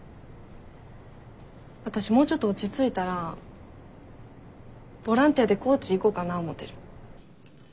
私もうちょっと落ち着いたらボランティアで高知行こかな思てる。